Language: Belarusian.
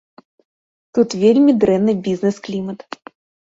Тут вельмі дрэнны бізнэс-клімат.